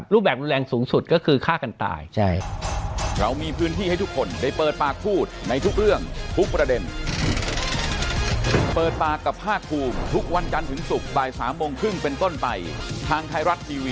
แบบรุนแรงสูงสุดก็คือฆ่ากันตาย